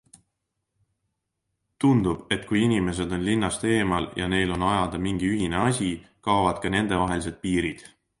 Tundub, et kui inimesed on linnast eemal ja neil on ajada mingi ühine asi, kaovad ka nendevahelised piirid.